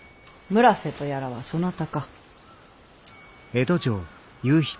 村瀬とやらはそなたか？